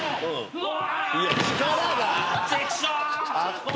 うわ！